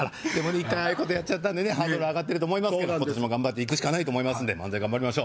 一回ああいうことやったんでハードル上がってると思いますけど今年も頑張っていくしかないと思いますんで漫才頑張りましょう